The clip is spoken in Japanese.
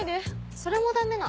それもダメなの？